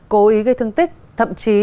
cố ý gây thương tích thậm chí